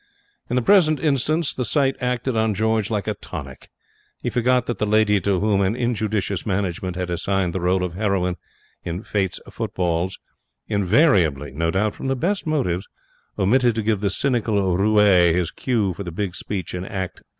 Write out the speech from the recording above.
In the present instance the sight acted on George like a tonic. He forgot that the lady to whom an injudicious management had assigned the role of heroine in Fate's Footballs invariably no doubt from the best motives omitted to give the cynical roue his cue for the big speech in Act III.